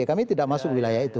kami tidak masuk wilayah itu